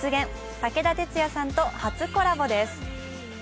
武田鉄矢さんと初コラボです。